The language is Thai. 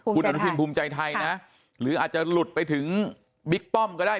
คุณอนุทินภูมิใจไทยนะหรืออาจจะหลุดไปถึงบิ๊กป้อมก็ได้